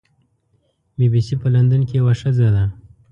بی بي سي په لندن کې یوه ښځه ده.